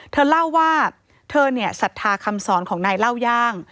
เธอเล่าว่าเธอศัฒนาคำสอนของนายเล่าย่าง